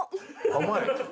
甘い？